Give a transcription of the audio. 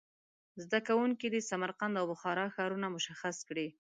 زده کوونکي دې سمرقند او بخارا ښارونه مشخص کړي.